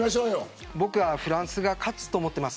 僕はフランスが勝つと思ってます。